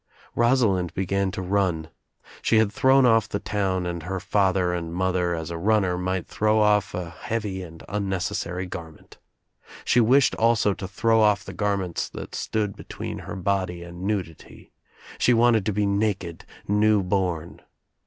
Rosalind began to run. She had thrown off the town and her father and mother as a runner might throw off a heavy and unnecessary garment. She wished also to throw off the garments that stood be tween her body and nudity. She wanted to be naked, new born.